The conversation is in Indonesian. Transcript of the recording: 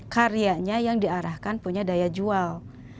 karyanya yang diarahkan punya daya jual